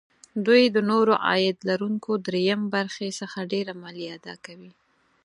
دوی د نورو عاید لرونکو دریم برخې څخه ډېره مالیه اداکوي